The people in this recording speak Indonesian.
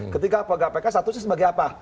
ketika pegawai kpk statusnya sebagai apa